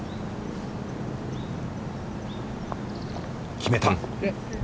決めた。